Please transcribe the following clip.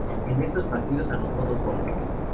En estos partidos anotó dos goles.